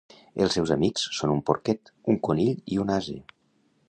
Els seus amics són un porquet, un conill i un ase.